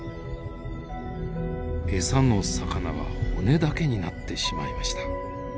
餌の魚は骨だけになってしまいました。